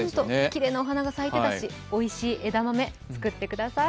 きれいなお花が咲いてたしおいしい枝豆作ってください。